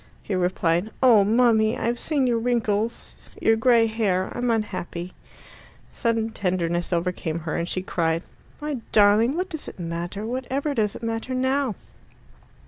He replied, "Oh, mummy, I've seen your wrinkles your grey hair I'm unhappy." Sudden tenderness overcame her, and she cried, "My darling, what does it matter? Whatever does it matter now?"